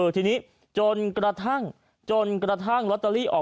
ทีนี้จนกระทั่งลอตเตอรี่ออกมาวันที่๑